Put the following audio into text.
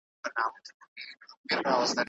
که ملي سرچينې ضايع سي، اقتصاد خرابېږي.